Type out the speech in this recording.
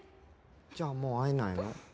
じゃあもう会えないの？